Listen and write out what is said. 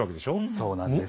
そうなんです。